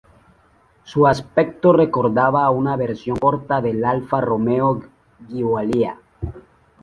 Su aspecto recordaba a una versión corta del Alfa Romeo Giulia.